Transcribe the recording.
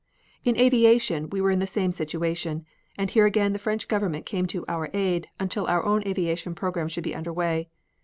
In aviation we were in the same situation, and here again the French Government came to our aid until our own aviation program should be under way.